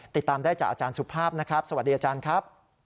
ติดตามได้จากอาจารย์สุภาพนะครับสวัสดีอาจารย์ครับ